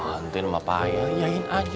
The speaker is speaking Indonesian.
entin mah payah nyayain aja